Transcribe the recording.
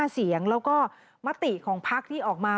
๕เสียงแล้วก็มติของพักที่ออกมา